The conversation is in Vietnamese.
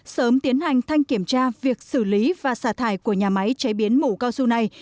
sớm tiến hành thanh kiểm tra việc xử lý và xả thải của nhà máy chế biến mủ cao su này